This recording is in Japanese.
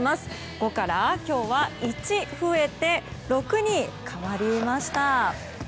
５から、今日は１増えて６に変わりました！